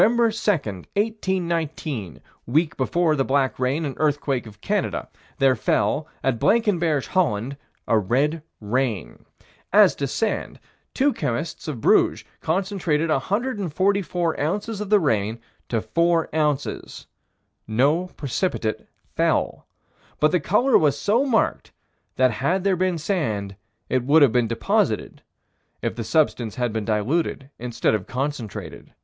2, 1819 week before the black rain and earthquake of Canada there fell, at Blankenberge, Holland, a red rain. As to sand, two chemists of Bruges concentrated 144 ounces of the rain to 4 ounces "no precipitate fell." But the color was so marked that had there been sand, it would have been deposited, if the substance had been diluted instead of concentrated.